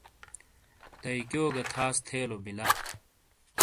دیکیو گہ تھاس تھے لو بیلا ۔